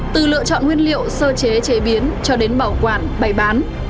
từ lựa chọn nguyên liệu sơ chế chế biến cho đến bảo quản bày bán